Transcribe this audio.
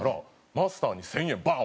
マスターに１０００円バーン！